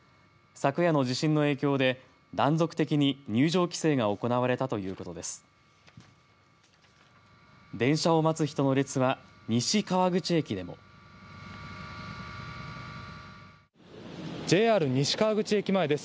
昨夜の地震の影響で断続的に入場規制が行われたということです。